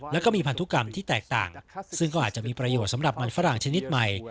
แล้วก็มีพันธุกรรมที่แตกต่างซึ่งก็อาจจะมีประโยชน์สำหรับมันฝรั่งชนิดใหม่